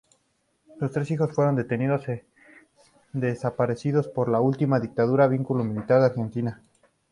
Sus tres hijos fueron detenidos desaparecidos por la última dictadura cívico militar de Argentina.